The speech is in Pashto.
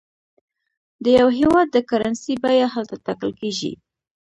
د یو هېواد د کرنسۍ بیه هلته ټاکل کېږي.